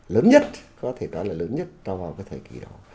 lớn nhất có thể đó là lớn nhất cho vào cái thời kỳ đó